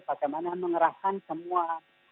bagaimana mengerahkan semua